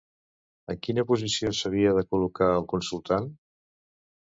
En quina posició s'havia de col·locar el consultant?